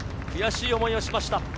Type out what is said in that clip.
悔しい思いをしました。